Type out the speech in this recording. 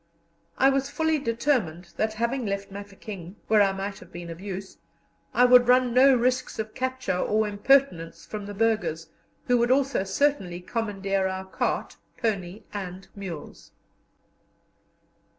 I was fully determined that, having left Mafeking, where I might have been of use, I would run no risks of capture or impertinence from the burghers, who would also certainly commandeer our cart, pony, and mules.